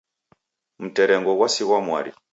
Mterengo ghwasighwa mwari